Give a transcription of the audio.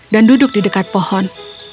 mereka berdua berdiri di tempat pohon